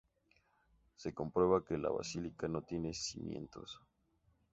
Se comprueba que la Basílica no tiene cimientos.